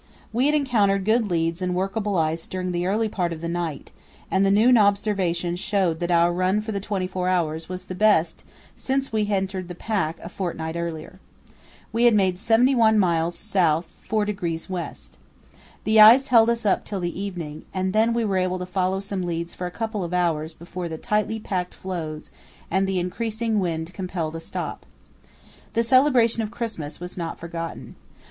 We had encountered good leads and workable ice during the early part of the night, and the noon observation showed that our run for the twenty four hours was the best since we entered the pack a fortnight earlier. We had made 71 miles S. 4° W. The ice held us up till the evening, and then we were able to follow some leads for a couple of hours before the tightly packed floes and the increasing wind compelled a stop. The celebration of Christmas was not forgotten.